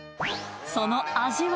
その味は？